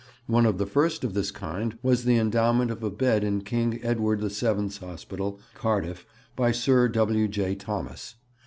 One of the first of this kind was the endowment of a bed in King Edward VII's Hospital, Cardiff, by Sir W. J. Thomas.